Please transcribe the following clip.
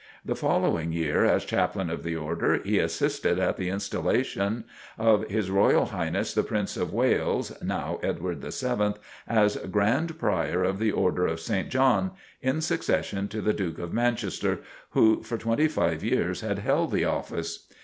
The following year, as Chaplain of the Order, he assisted at the Installation of H. R. H. the Prince of Wales, (now Edward VII), as Grand Prior of the Order of St. John, in succession to the Duke of Manchester, who for twenty five years had held the office.